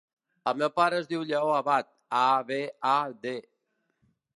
El meu pare es diu Lleó Abad: a, be, a, de.